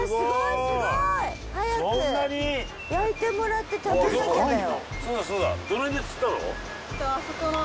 早く焼いてもらって食べなきゃだよ。